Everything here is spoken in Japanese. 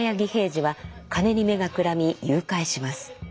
次は金に目がくらみ誘拐します。